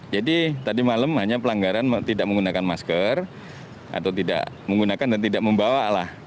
jadi tadi malam hanya pelanggaran tidak menggunakan masker atau tidak menggunakan dan tidak membawa lah